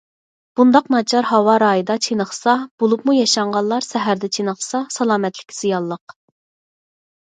بۇنداق ناچار ھاۋا رايىدا چېنىقسا، بولۇپمۇ ياشانغانلار سەھەردە چېنىقسا، سالامەتلىككە زىيانلىق.